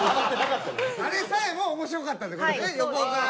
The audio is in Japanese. あれさえも面白かったって事ですね？